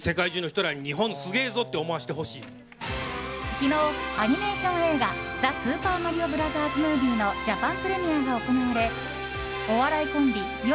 昨日、アニメーション映画「ザ・スーパーマリオブラザーズ・ムービー」のジャパンプレミアが行われお笑いコンビよ